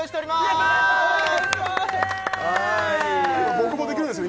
僕もできるんですよ